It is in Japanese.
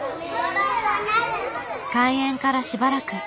開園からしばらく。